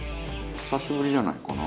「久しぶりじゃないかな」